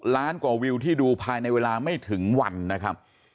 ล้านกว่าวิวที่ดูภายในเวลาไม่ถึงวันนะครับ